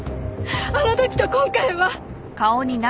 あの時と今回は！